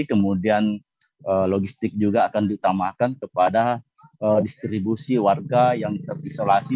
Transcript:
kemudian logistik juga akan diutamakan kepada distribusi warga yang terisolasi